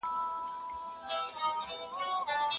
دا بحثونه له پخوا روان دي.